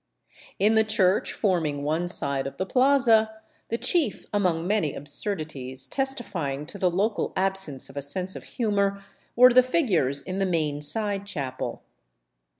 In the church forming one side of the plaza the chief among many absurdities testifying to the local absence of a sense of humor were the figures in the main side chapel.